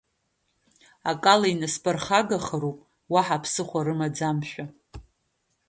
Акала инасԥырхагахароуп, уаҳа ԥсыхәа рымаӡамшәа…